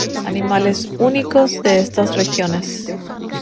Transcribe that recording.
Animales únicos de estas regiones.